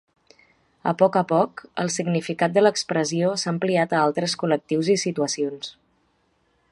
A poc a poc, el significat de l'expressió s'ha ampliat a altres col·lectius i situacions.